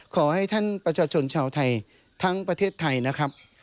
ขอให้ท่านประชาชนชาวไทยทั้งประเทศไทยนะครับ